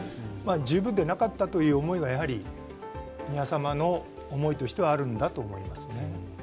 十分でなかったという思いが宮様の思いとしてはあるんだと思いますね。